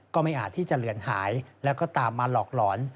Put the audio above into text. ไม่อาจที่จะเหลือนหายแล้วก็ตามมาหลอกหลอน